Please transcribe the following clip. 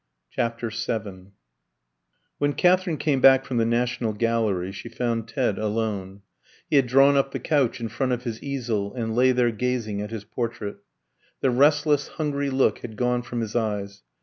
CHAPTER VII When Katherine came back from the National Gallery she found Ted alone: he had drawn up the couch in front of his easel, and lay there gazing at his portrait. The restless, hungry look had gone from his eyes.